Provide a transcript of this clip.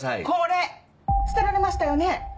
これ捨てられましたよね？